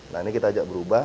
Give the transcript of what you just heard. nah ini kita ajak berubah